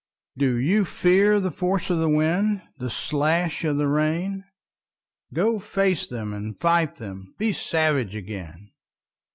DO you fear the force of the wind, The slash of the rain? Go face them and fight them, Be savage again.